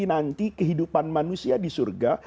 jadi nanti kehidupan manusia di surga